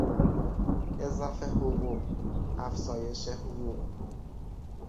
اضافه حقوق، افزایش حقوق